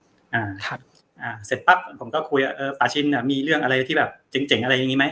อ่าครับอ่าเสร็จปั๊บผมก็คุยว่าเออปาชินอ่ะมีเรื่องอะไรที่แบบเจ๋งเจ๋งอะไรอย่างงี้ไหม